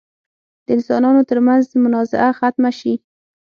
د انسانانو تر منځ منازعه ختمه شي.